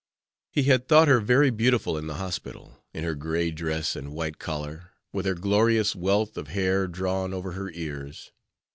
He had thought her very beautiful in the hospital, in her gray dress and white collar, with her glorious wealth of hair drawn over her ears.